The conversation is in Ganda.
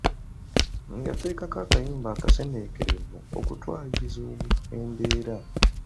Yateekeko akayimba akaseeneekerevu okutwaliriza embeera.